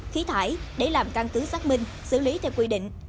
khí thải để làm căn cứ xác minh xử lý theo quy định